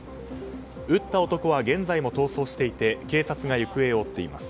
撃った男は現在も逃走していて警察が行方を追っています。